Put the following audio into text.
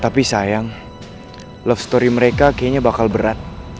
tapi sayang love story mereka kayaknya bakal berat